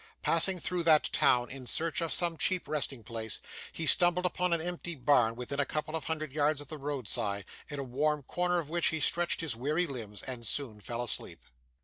Passing through that town in search of some cheap resting place, he stumbled upon an empty barn within a couple of hundred yards of the roadside; in a warm corner of which, he stretched his weary limbs, and soon fell asleep.